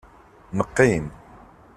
Neqqim.